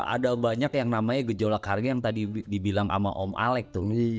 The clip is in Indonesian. ada banyak yang namanya gejolak harga yang tadi dibilang sama om alex